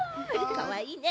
かわいいね。